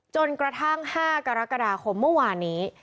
จนกระทั่ง๕กรกฎาคมเมื่อวานนี้